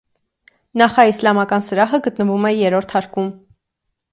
Նախաիսլամական սրահը գտնվում է երրորդ հարկում։